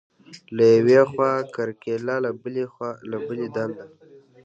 له یوې خوا کرکیله، له بلې دنده.